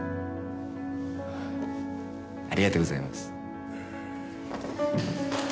ありがとうございます。